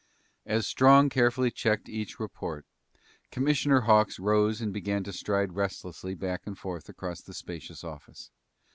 As Strong carefully checked each report, Commissioner Hawks rose and began to stride restlessly back and forth across the spacious office.